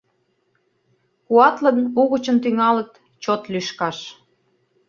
Куатлын угычын тӱҥалыт чот лӱшкаш!..